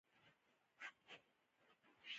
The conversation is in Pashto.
په بازار کې د افغاني تولیداتو غوښتنه زیاته ده.